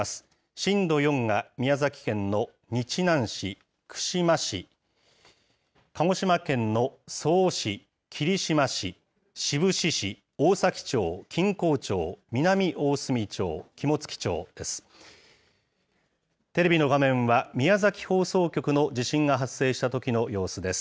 震度４が宮崎県の日南市、串間市、鹿児島県の曽於市、霧島市、志布志市、大崎町、錦江町、南大隅町、肝付町です。